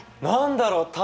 何だろう？